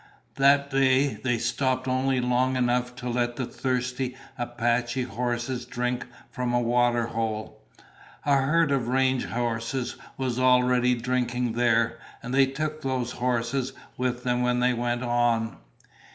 That day they stopped only long enough to let the thirsty Apache horses drink from a water hole. A herd of range horses was already drinking there, and they took those horses with them when they went on.